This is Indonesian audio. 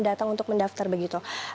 datang untuk mendaftar begitu